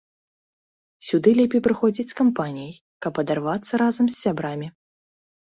Сюды лепей прыходзіць з кампаніяй, каб адарвацца разам з сябрамі.